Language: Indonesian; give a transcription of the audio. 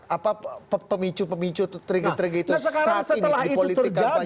apa pemicu pemicu trigger trigger itu saat ini di politik kampanye ini